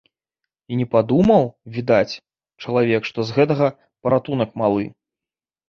І не падумаў, відаць, чалавек, што з гэтага паратунак малы.